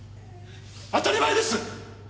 当たり前です！